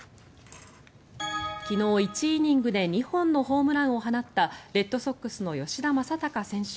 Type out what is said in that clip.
昨日、１イニングで２本のホームランを放ったレッドソックスの吉田正尚選手。